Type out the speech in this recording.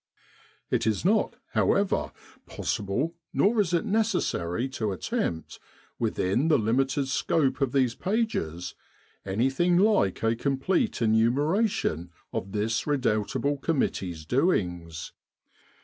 It is not, however, possible nor is it necessary to attempt, within the limited scope of these pages, any thing like a complete enumeration of this redoubtable committee's doings.